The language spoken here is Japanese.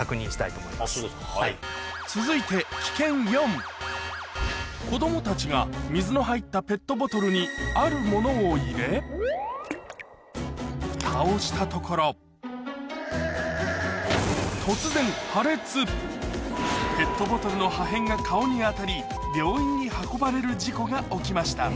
続いて子供たちが水の入ったペットボトルにあるものを入れフタをしたところ突然ペットボトルの破片が顔に当たり病院に運ばれる事故が起きました